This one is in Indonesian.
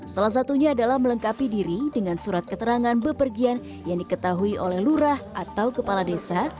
salah satunya adalah melengkapi diri dengan surat keterangan bepergian yang diketahui oleh lurah atau kepala desa